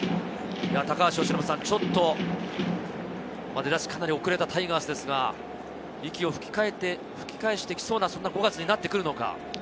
ちょっと出だしかなり遅れたタイガースですが、息を吹き返してきそうな、そんな５月になってくるのか。